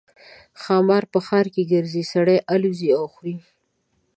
ښامار په ښار کې ګرځي سړي الوزوي او خوري.